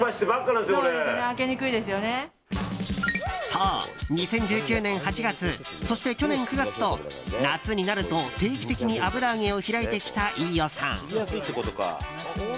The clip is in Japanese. そう、２０１９年８月そして去年９月と夏になると定期的に油揚げを開いてきた飯尾さん。